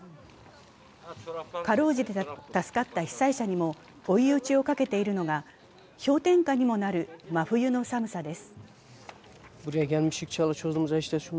辛うじて助かった被災者にも追い打ちをかけているのが氷点下にもなる真冬の寒さです。